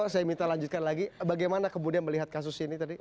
so i can share minggu minggu aja biar tak ada problem audio